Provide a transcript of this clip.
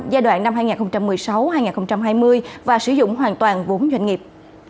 giai đoạn năm hai nghìn một mươi sáu hai nghìn hai mươi và sử dụng hoàn toàn vốn doanh nghiệp